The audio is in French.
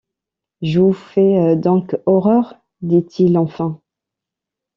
Je vous fais donc horreur? dit-il enfin.